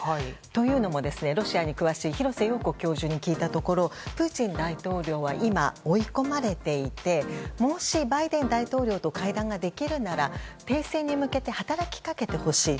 というのも、ロシアに詳しい廣瀬陽子教授に聞いたところプーチン大統領は今、追い込まれていてもしバイデン大統領と会談ができるなら停戦に向けて働きかけてほしい。